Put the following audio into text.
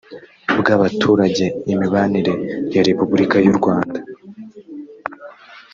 bw abaturage imibanire ya repubulika y u rwanda